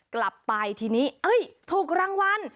กลับไปทีนี้ถูกรางวัล